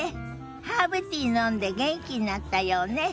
ハーブティー飲んで元気になったようね。